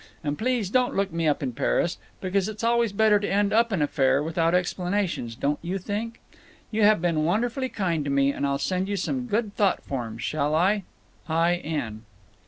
And please don't look me up in Paris, because it's always better to end up an affair without explanations, don't you think? You have been wonderfully kind to me, and I'll send you some good thought forms, shall I? I. N.